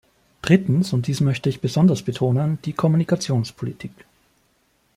Drittens und dies möchte ich besonders betonen die Kommunikationspolitik.